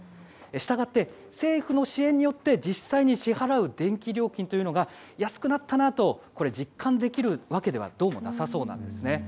したがって、政府の支援によって実際に支払う電気料金が安くなったなと実感できるわけではどうも、なさそうなんですね。